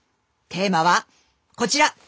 テーマはこちら。